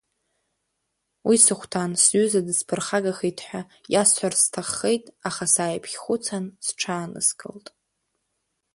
Уи сыхәҭан, сҩыза дысԥырхагахеит ҳәа иасҳәарц сҭаххеит, аха сааиԥхьхәыцаан, сҽааныскылт.